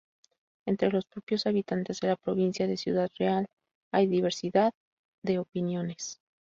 Entre los propios habitantes de la provincia de Ciudad Real hay diversidad de opiniones.